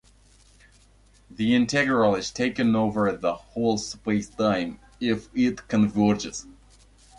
The integral is taken over the whole spacetime if it converges.